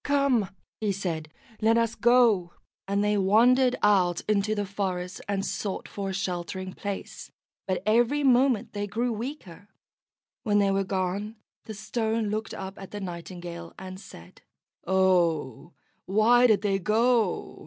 "Come," he said, "let us go;" and they wandered out into the forest, and sought for a sheltering place, but every moment they grew weaker. When they were gone, the Stone looked up at the Nightingale, and said: "Oh, why did they go?